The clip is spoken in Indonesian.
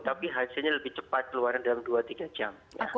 tapi hasilnya lebih cepat keluarnya dalam dua tiga jam